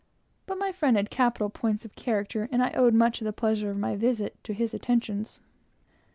But my friend had many capital points of character, and I owed much of the pleasure of my visit to his attentions.